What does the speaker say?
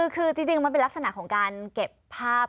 คือจริงมันเป็นลักษณะของการเก็บภาพ